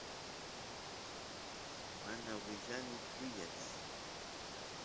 mana willani kuyaysh